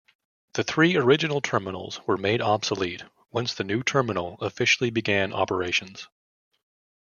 The three original terminals were made obsolete once the new terminal officially began operations.